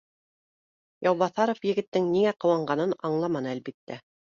Яубаҫаров егеттең ниңә ҡыуанғанын аңламаны, әлбиттә